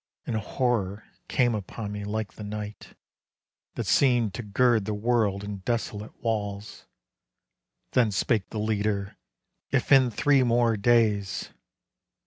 And horror came upon me like the night, That seemed to gird the world in desolate walls. Then spake the leader, "If in three more days!"